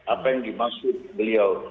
apa yang dimaksud beliau